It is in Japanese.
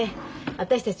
私たち